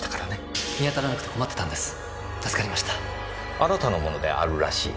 あなたのものであるらしい。